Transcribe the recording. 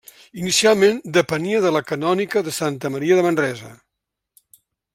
Inicialment depenia de la canònica de Santa Maria de Manresa.